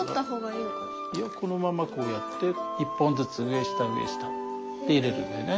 いやこのままこうやって１本ずつ上下上下で入れるんだよね。